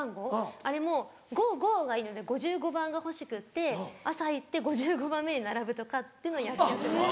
あれもゴーゴー！がいいので５５番が欲しくって朝行って５５番目に並ぶとかっていうのをやってました。